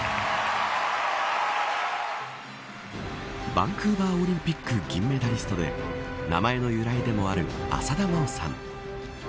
バンクーバーオリンピック銀メダリストで名前の由来でもある浅田真央さん。